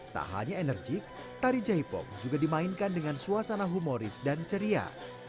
tak hanya enerjik tari jaipong juga dimainkan dengan suasana humoris dan ceria